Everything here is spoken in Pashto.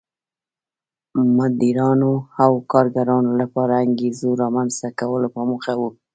مدیرانو او کارګرانو لپاره انګېزو رامنځته کولو په موخه و.